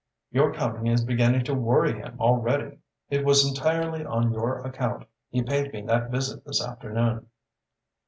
Your coming is beginning to worry him already. It was entirely on your account he paid me that visit this afternoon."